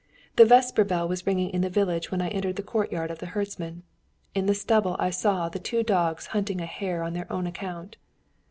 The vesper bell was ringing in the village when I entered the courtyard of the herdsman. In the stubble I saw the two dogs hunting a hare on their own account.